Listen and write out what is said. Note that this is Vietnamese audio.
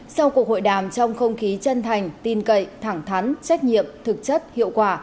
sau cuộc hội đàm trong không khí chân thành tin cậy thẳng thắn trách nhiệm thực chất hiệu quả